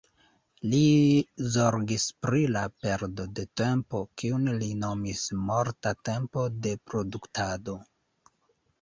Li zorgis pri la perdo de tempo, kiun li nomis morta tempo de produktado.